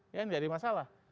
ya tidak ada masalah